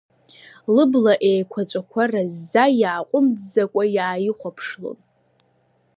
Лыбла еиқәаҵәақәа разӡа иааҟәымҵӡакәа иааихәаԥшлон.